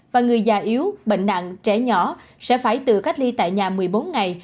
và người già yếu bệnh nặng trẻ nhỏ sẽ phải tự cách ly tại nhà một mươi bốn ngày